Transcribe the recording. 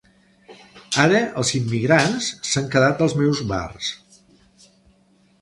Ara els immigrants s'han quedat els meus bars.